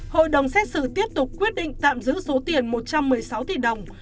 hội đồng xét xử tiếp tục quyết định tạm giữ số tiền một trăm một mươi sáu tỷ đồng